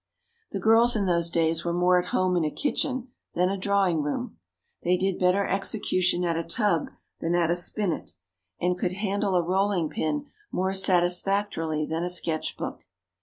The girls in those days were more at home in a kitchen than a drawing room. They did better execution at a tub than at a spinet, and could handle a rolling pin more satisfactorily than a sketch book.